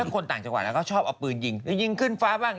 คนต่างจังหวาดเขาชอบเอาปืนภาพยิง